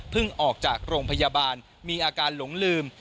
ออกจากโรงพยาบาลมีอาการหลงลืม